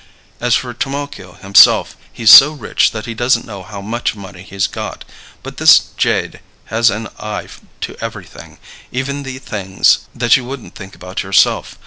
As for Trimalchio himself, he's so rich that he doesn't know how much money he's got; but this jade has an eye to everything, even the things that you wouldn't think about yourself.